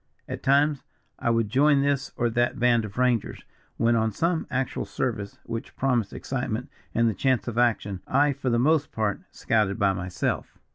At times I would join this or that band of rangers, when on some actual service which promised excitement and the chance of action, I for the most part scouted by myself.